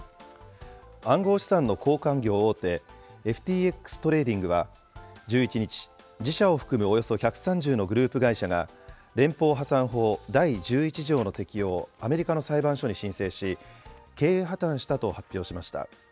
暗号資産の交換業大手、ＦＴＸトレーディングは、１１日、自社を含むおよそ１３０のグループ会社が、連邦破産法第１１条の適用をアメリカの裁判所に申請し、経営破綻したと発表しました。